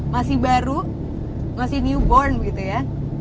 masih baru masih newborn gitu ya